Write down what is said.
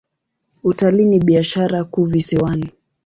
Utalii ni biashara kuu visiwani.